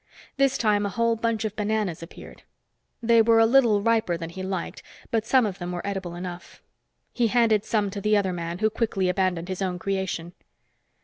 This time, a whole bunch of bananas appeared. They were a little riper than he liked, but some of them were edible enough. He handed some to the other man, who quickly abandoned his own creation.